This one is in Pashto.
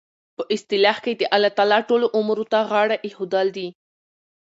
په اصطلاح کښي د الله تعالی ټولو امورو ته غاړه ایښودل دي.